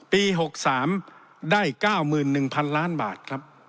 ปี๖๓ได้๙๑๐๐๐ล้านบาทครับ